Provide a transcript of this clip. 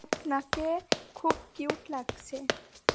আপনাকে খুব কিউট লাগছে।